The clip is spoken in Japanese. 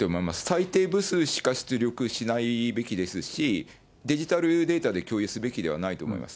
最低部数しか出力しないべきですし、デジタルデータで共有すべきではないと思います。